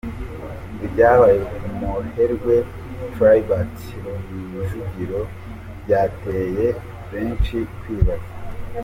Ibyabaye ku muherwe Tribert Rujugiro byateye benshi kwibaza.